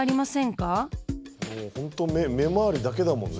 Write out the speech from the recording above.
もう本当目周りだけだもんね。